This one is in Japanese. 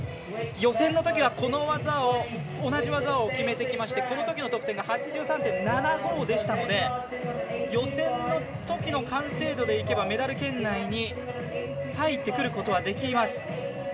予選のときは同じ技を決めてきましてこのときの得点が８３．７５でしたので予選のときの完成度で言えばメダル圏内に入ってくることはできます。